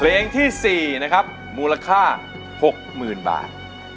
เพลงที่๔นะครับมูลค่า๖๐๐๐บาท